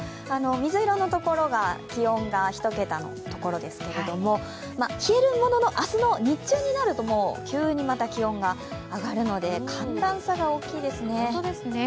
水色のところが気温が１桁のところですけども、冷えるものの、明日の日中になると急にまた気温が上がるので、寒暖差が大きいですね。